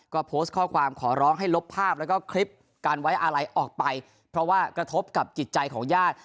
ก็โพสต์ข้อความขอร้องให้ลบภาพแล้วก็คลิปการไว้อาลัยออกไปเพราะว่ากระทบกับจิตใจของญาติ